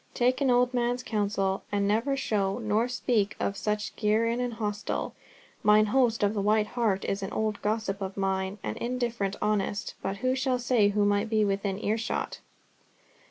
Take an old man's counsel, and never show, nor speak of such gear in an hostel. Mine host of the White Hart is an old gossip of mine, and indifferent honest, but who shall say who might be within earshot?"